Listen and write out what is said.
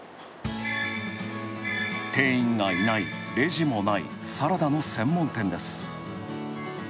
店員がいない、レジもない、サラダの専門店です。